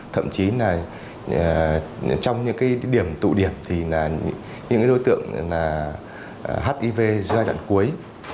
thậm chí là trong những điểm tụ điểm thì là những đối tượng hiv giai đoạn cuối